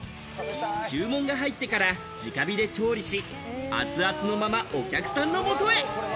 注文が入ってから直火で調理し、熱々のままお客さんのもとへ。